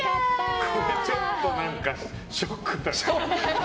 これ、ちょっと何かショックだね。